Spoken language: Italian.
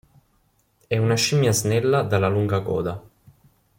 È una scimmia snella dalla lunga coda.